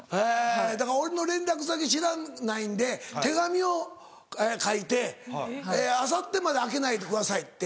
だから俺の連絡先知らないんで手紙を書いて「明後日まで開けないでください」って。